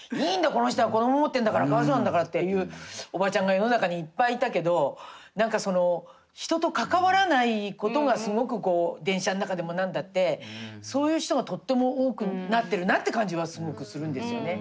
この人は子ども持ってんだからかわいそうなんだから」っていうおばちゃんが世の中にいっぱいいたけど何かその人と関わらないことがすごくこう電車の中でも何だってそういう人がとっても多くなってるなって感じはすごくするんですよね。